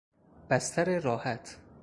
بستر راحت